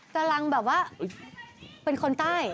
กำลังแบบว่าเป็นคนใต้